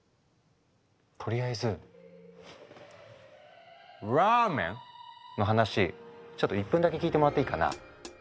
とりあえず「ＲＡＭＥＮ」の話ちょっと１分だけ聞いてもらっていいかな。